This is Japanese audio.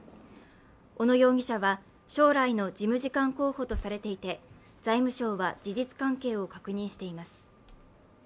小野容疑者は将来の事務次官候補とされていて、財務省は事実関係を確認しています。